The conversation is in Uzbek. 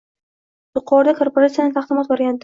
Yuqorida korporatsiyaning taqdimot varianti